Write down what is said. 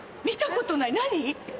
何？